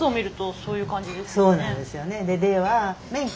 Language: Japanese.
そうなんですか？